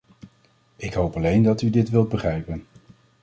Ik hoop alleen dat u dit wilt begrijpen.